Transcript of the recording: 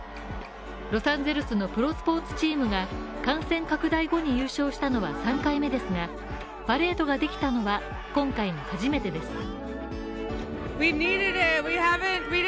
ロサンゼルスのプロスポーツチームが感染拡大後に優勝したのは３回目ですが、パレードができたのは今回が初めてです。